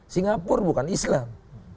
singapura bukan islam